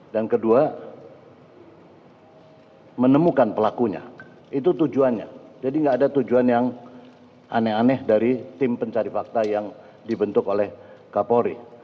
dan kedua menemukan pelakunya itu tujuannya jadi enggak ada tujuan yang aneh aneh dari tim pencari fakta yang dibentuk oleh kapolri